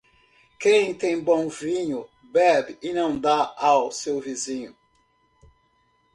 Quem tem bom vinho, bebe e não dá ao seu vizinho.